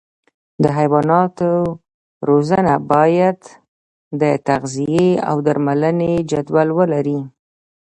د حیواناتو روزنه باید د تغذیې او درملنې جدول ولري.